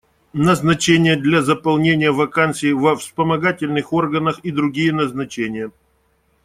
Назначения для заполнения вакансий во вспомогательных органах и другие назначения.